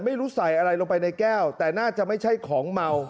ไม่รู้ใส่อะไรลงไปในแก้วแต่น่าจะไม่ใช่ของเมา